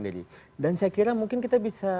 dari dan saya kira mungkin kita bisa